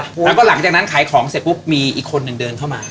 แล้วก็หลังจากนั้นขายของเสร็จปุ๊บมีอีกคนหนึ่งเดินเข้ามา